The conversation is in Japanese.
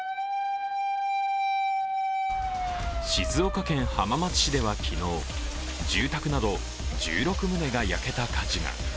静岡県浜松市では昨日、住宅など１６棟が焼けた火事が。